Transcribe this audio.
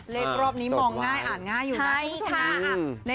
รอบนี้มองง่ายอ่านง่ายอยู่นะคุณผู้ชม